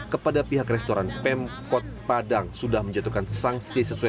kepada pihak restoran pemkot padang sudah menjatuhkan sanksi sesuai